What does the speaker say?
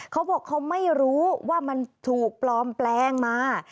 เขาบอกเขาไม่รู้ว่ามันถูกปลอมแปลงมา